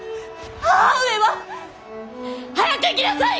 母上は。早く行きなさい！